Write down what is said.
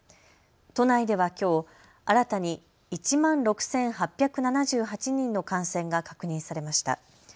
都内ではきょう新たに１万６８７８人の感染が確認されました。